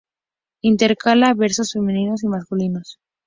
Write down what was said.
Intercala versos femeninos y masculinos.